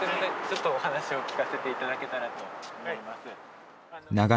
ちょっとお話を聞かせて頂けたらと思います。